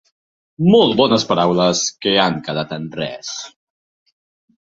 Molt bones paraules que han quedat en res.